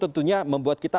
tentunya membuat kita